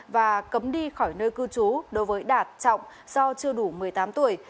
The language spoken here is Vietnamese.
và cấm đi khỏi nơi cư trú đối với đạt trọng do chưa đủ một mươi tám tuổi